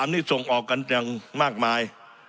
๖๓นี่ส่งออกกันยังมากมาย